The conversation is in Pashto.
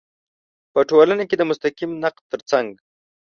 په ټولنه کې د مستقیم نقد تر څنګ